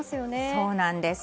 そうなんです。